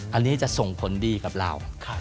อันนี้จะส่งผลดีกับเรา